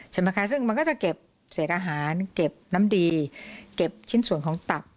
ใช่ไหมคะซึ่งมันก็จะเก็บเศษอาหารเก็บน้ำดีเก็บชิ้นส่วนของตับ